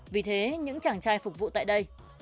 vì thế những chàng trai phục vụ tại đây